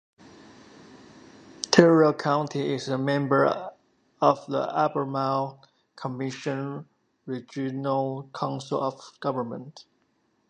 Tyrrell County is a member of the Albemarle Commission regional council of governments.